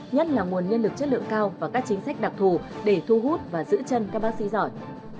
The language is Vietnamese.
nhất là nguồn nhân lực chất lượng cao và các chính sách đặc thù để thu hút và giữ chân các bác sĩ giỏi